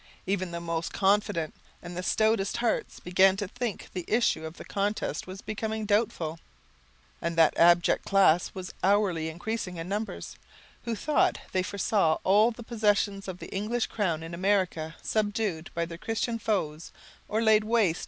Even the most confident and the stoutest hearts began to think the issue of the contest was becoming doubtful; and that abject class was hourly increasing in numbers, who thought they foresaw all the possessions of the English crown in America subdued by their Christian foes, or laid waste by the inroads of their relentless allies.